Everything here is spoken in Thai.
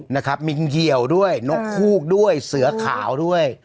นะครับมีเหี่ยวด้วยนกฮูกด้วยเสือขาวด้วย